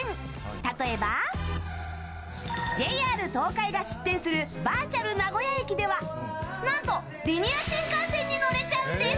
例えば、ＪＲ東海が出展するバーチャル名古屋駅では何と、リニア新幹線に乗れちゃうんです。